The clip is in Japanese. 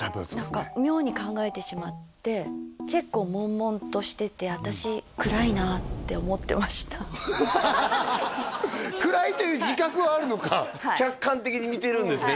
何か妙に考えてしまって結構悶々としててって思ってました暗いという自覚はあるのか客観的に見てるんですね